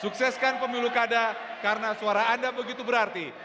sukseskan pemilu kada karena suara anda begitu berarti